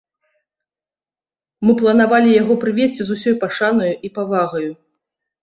Мы планавалі яго прывезці з усёй пашанаю і павагаю.